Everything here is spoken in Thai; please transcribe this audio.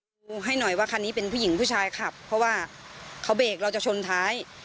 ดูให้หน่อยว่าคันนี้เป็นผู้หญิงผู้ชายขับเพราะว่าเขาเบรกเราจะชนท้าย